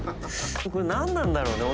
「これ何なんだろうね？